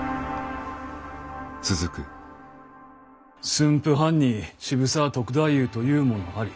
「駿府藩に渋沢篤太夫というものあり」。